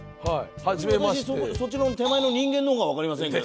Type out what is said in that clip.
そっちの手前の人間の方がわかりませんけど。